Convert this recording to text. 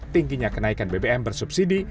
tingginya kenaikan bbm bersubsidi